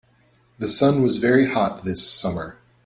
The sun was very hot this summer.